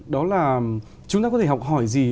đó là chúng ta có thể học hỏi gì